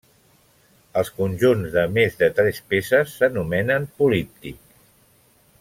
Els conjunts de més de tres peces s'anomenen políptic.